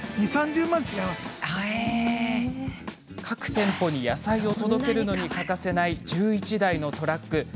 各店舗に野菜を届けるのに欠かせない、１１台のトラック。